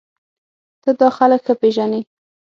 ته دا خلک ښه پېژنې